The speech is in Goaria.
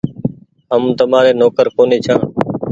هم تمآري نوڪر ڪونيٚ ڇآن